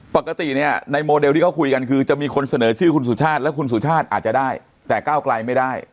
ปกติเนี่ยในโมเดลที่เขาคุยกันคือจะมีคนเสนอชื่อคุณสุชาติและคุณสุชาติอาจจะได้แต่ก้าวไกลไม่ได้